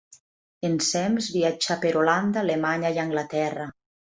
Ensems viatjà per Holanda, Alemanya i Anglaterra.